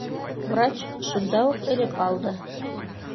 Врач шунда уҡ элеп алды: